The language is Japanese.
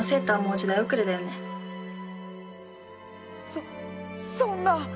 そそんな。